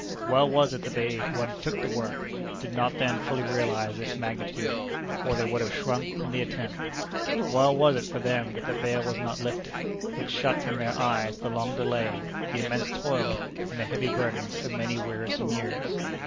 Well was it that they who undertook the work did not then fully realize its magnitude, or they would have shrunk from the attempt. Well was it for them that the veil was not lifted, which shut from their eyes the long delay, the immense toil, and the heavy burdens of many wearisome years.